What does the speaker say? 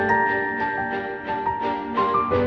ya kita beres beres dulu